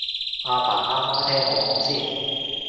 阿爸阿媽聽我講先